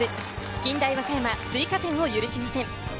近大和歌山、追加点を許しません。